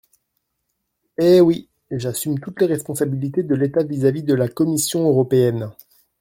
Eh oui ! J’assume toutes les responsabilités de l’État vis-à-vis de la Commission européenne.